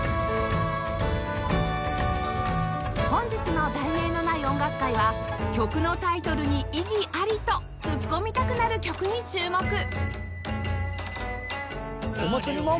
本日の『題名のない音楽会』は「曲のタイトルに異議あり！」とツッコみたくなる曲に注目